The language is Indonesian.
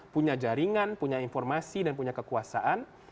punya jaringan punya informasi dan punya kekuasaan